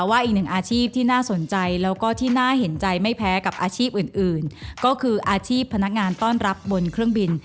อีกหนึ่งอาชีพที่น่าสนใจแล้วก็ที่น่าเห็นใจไม่แพ้กับอาชีพอื่นก็คืออาชีพพนักงานต้อนรับบนเครื่องบิน